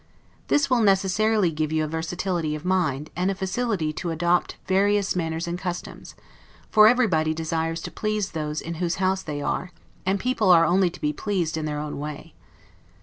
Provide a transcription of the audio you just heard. This will necessarily give you a versatility of mind, and a facility to adopt various manners and customs; for everybody desires to please those in whose house they are; and people are only to be pleased in their own way.